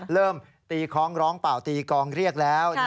เริ่มตีคล้องร้องเปล่าตีกองเรียกแล้ว